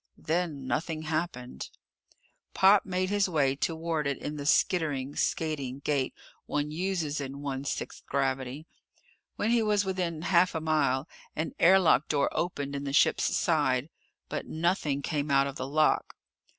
Then nothing happened. Pop made his way toward it in the skittering, skating gait one uses in one sixth gravity. When he was within half a mile, an air lock door opened in the ship's side. But nothing came out of the lock.